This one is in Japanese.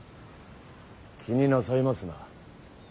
気になさいますな。